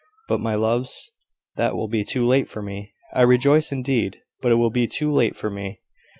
But, my loves, that will be too late for me. I rejoice indeed; but it will be too late for me."